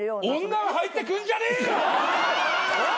女は入ってくんじゃねえ！